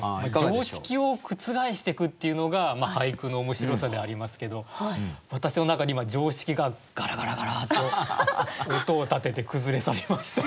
常識を覆してくっていうのが俳句の面白さでありますけど私の中で今常識がガラガラガラと音を立てて崩れ去りました。